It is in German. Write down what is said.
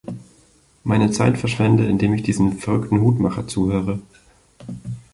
Meine Zeit verschwende indem ich diesen verrückten Hutmacher zuzuhöre.